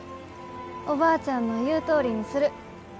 おばあちゃんの言うとおりにする。